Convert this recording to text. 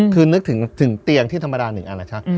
คือนึกถึงเตียงที่ธรรมดาหนึ่งอันแหละครับ